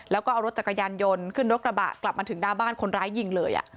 แล้วก็เอารถจักรยานยนต์ขึ้นรถกระบะกลับมาถึงหน้าบ้านคนร้ายยิงเลย